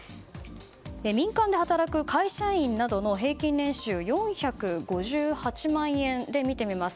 民間で働く会社員などの平均年収４５８万円で見てみます。